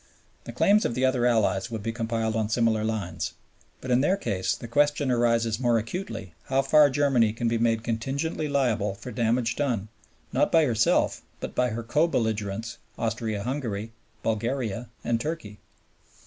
The claims of the other Allies would be compiled on similar lines. But in their case the question arises more acutely how far Germany can be made contingently liable for damage done, not by herself, but by her co belligerents, Austria Hungary, Bulgaria, and Turkey.